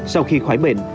sau khi khỏi bệnh